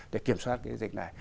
để kiểm soát cái dịch này